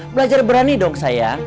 belajar berani dong sayang